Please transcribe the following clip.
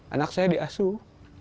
anak saya diasuh